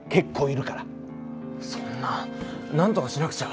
そんななんとかしなくちゃ！